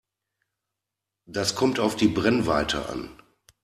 Das kommt auf die Brennweite an.